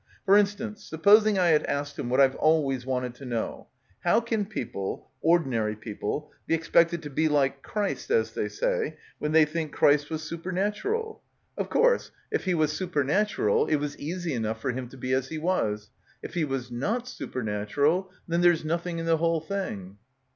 For instance, supposing I had asked him what I've always wanted to know. How can people, ordinary people, be expected to be like Christ, as they say, when they think Christ — 134 — BACKWATER was supernatural? Of course, if he was super natural it was easy enough for him to be as he was ; if he was not supernatural, then there's noth ing in the whole thing."